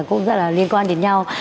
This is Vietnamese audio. cũng rất là liên quan đến nhau